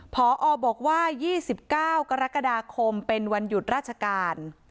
พอบอกว่า๒๙กรกฎาคมเป็นวันหยุดราชการ